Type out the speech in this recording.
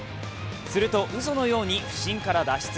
すると、うそのように不振から脱出。